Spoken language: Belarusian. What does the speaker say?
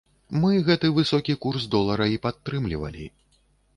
Мы гэты высокі курс долара і падтрымлівалі.